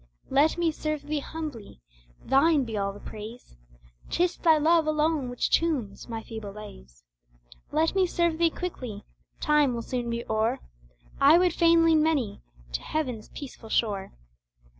Let me serve Thee humbly, Thine be all the praise, 'Tis Thy love alone which tunes my feeble lays; Let me serve Thee quickly Time will soon be o'er I would fain lead many to heaven's peaceful shore.